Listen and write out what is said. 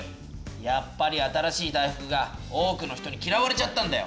やっぱり新しい大福が多くの人にきらわれちゃったんだよ！